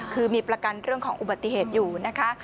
คือมีประกันเรื่องของอุบัติเหตุอยู่นะคะ